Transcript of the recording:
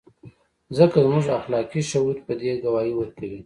ځکه زموږ اخلاقي شهود په دې ګواهي ورکوي.